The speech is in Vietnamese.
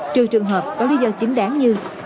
trừ trường hợp có lý do chính đáng như